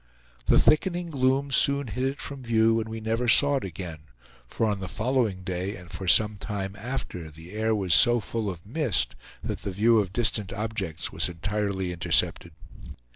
The thickening gloom soon hid it from view and we never saw it again, for on the following day and for some time after, the air was so full of mist that the view of distant objects was entirely intercepted.